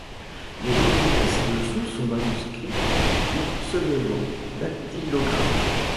Les documents ci-dessous sont manuscrits ou seulement dactylographiés.